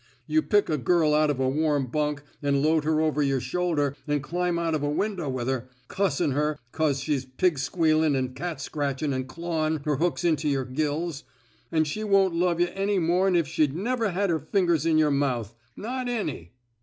You pick a girl out of a warm bunk, an' load her over yer shoul der, an' climb out of a window with her, — cussin' her 'cause she's pig squealin' an' cat scratchin' an' clawin' her hooks into yer gills, — an' she won't love yuh any mor'n if she'd never had her fingers in yer mouth. Not any!